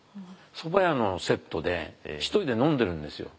蕎麦屋のセットで一人で飲んでるんですよ。